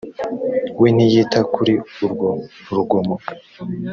we ntiyita kuri urwo rugomo